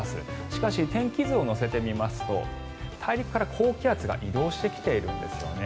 しかし、天気図を乗せてみますと大陸から高気圧が移動してきているんですよね。